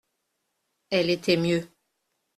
Elle était mieux.